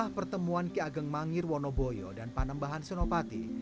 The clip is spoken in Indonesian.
setelah pertemuan ki ageng mangir wonoboyo dan panembahan senopati